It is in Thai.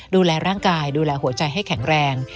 ดูแลร่างกายดูแลหัวใจให้แข็งแรง